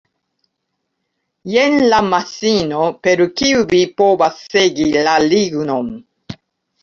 Jen la maŝino, per kiu vi povas segi la lignon.